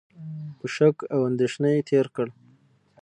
په شک او اندېښنه تېر کړ،